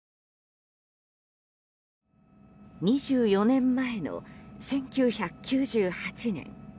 ２４年前の１９９８年。